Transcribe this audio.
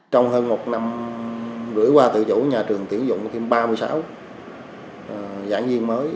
trong hơn một năm gửi qua tự chủ nhà trường tiễn dụng ba mươi sáu giảng viên mới